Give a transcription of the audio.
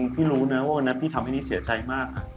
เพราะฉะนั้นพี่ทำให้นี่เสียใจมาก